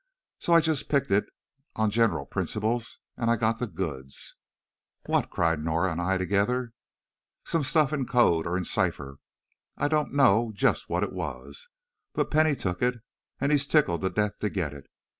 So I just picked it on general principles. And I got the goods!" "What?" cried Norah and I together. "Some stuff in code, or in cipher, I dunno just what it was. But Penny took it, and he's tickled to death to get it.